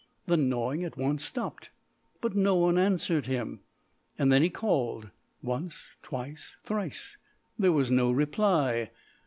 The gnawing at once stopped, but no one answered him. Then he called once, twice, thrice: there was no reply.